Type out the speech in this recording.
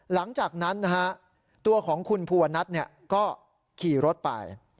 หลังจากนั้นนะฮะตัวของคุณภูวนัทก็ขี่รถไป